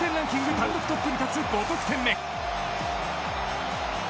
単独トップに立つ５得点目。